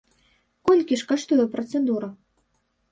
Колькі ж каштуе працэдура?